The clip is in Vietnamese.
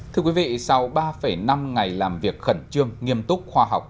thưa quý vị sau ba năm ngày làm việc khẩn trương nghiêm túc khoa học